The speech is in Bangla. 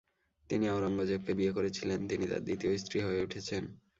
তিনি আওরঙ্গজেবকে বিয়ে করেছিলেন তিনি তাঁর দ্বিতীয় স্ত্রী হয়ে উঠেন।